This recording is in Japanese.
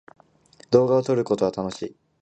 動画を撮ることは楽しい。